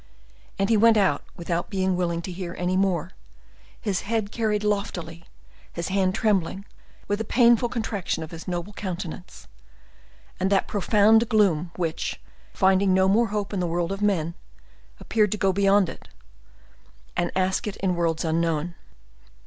And he went out without being willing to hear any more, his head carried loftily, his hand trembling, with a painful contraction of his noble countenance, and that profound gloom which, finding no more hope in the world of men, appeared to go beyond it, and ask it in worlds unknown.